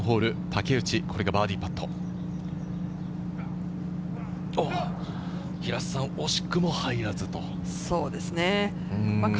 竹内、これがバーディーパット、惜しくも入らず。